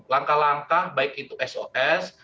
langkah langkah baik itu sos